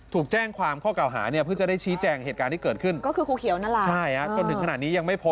ถูกแจ้งความข้อเก่าหาเพื่อจะได้ชี้แจ้งเหตุการณ์ที่เกิดขึ้น